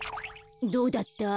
どうだった？